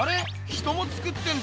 人もつくってんだ。